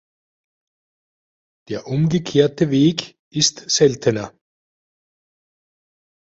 Der umgekehrte Weg ist seltener.